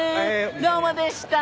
どうもでした。